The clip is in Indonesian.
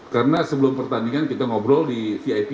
karena sebelum pertandingan kita ngobrol di vip